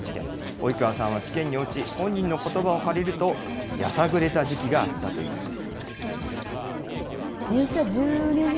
及川さんは試験に落ち、本人のことばを借りると、やさぐれた時期があったというんです。